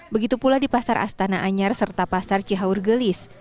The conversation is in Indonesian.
begitu pula di pasar astana anyar serta pasar cihaurgelis